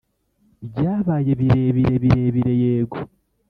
byabaye birebire, birebire, yego!